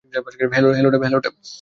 Hello, Dave.